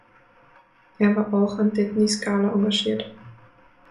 Er war auch an "Det ny Scala" engagiert.